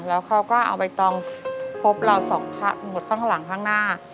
แล้วเขาก็เอาใบตองพบเราสองข้างหมดข้างหลังข้างหน้า